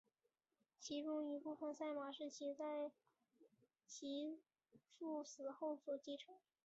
其中一部分赛马是其在其父死后所继承。